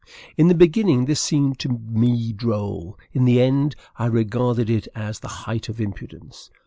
In the beginning, this seemed to me droll; in the end, I regarded it as the height of impudence.